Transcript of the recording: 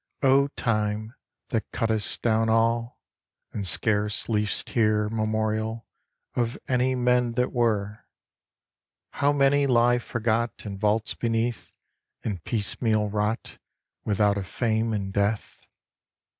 O Time, that cut'st down all, And scarce leav'st here Memorial Of any men that were; How many lie forgot In vaults beneath, And piece meal rot Without a fame in death?